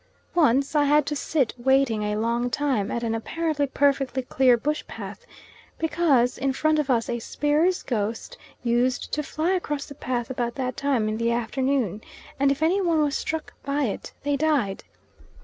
Once I had to sit waiting a long time at an apparently perfectly clear bush path, because in front of us a spear's ghost used to fly across the path about that time in the afternoon, and if any one was struck by it they died.